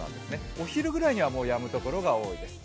お昼ぐらいには、もうやむところが多いです。